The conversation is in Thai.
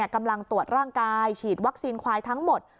กำลังตรวจร่างกายฉีดวัคซีนควายทั้งหมด